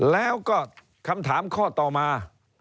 แล้วก็คำถามข้อต่อมา